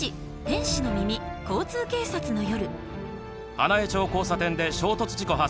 花江町交差点で衝突事故発生。